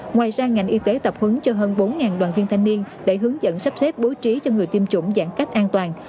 ngoài ra ngành y tế tập huấn cho hơn bốn đoàn viên thanh niên để hướng dẫn sắp xếp bố trí cho người tiêm chủng giãn cách an toàn